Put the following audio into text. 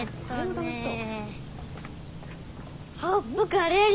楽しそう！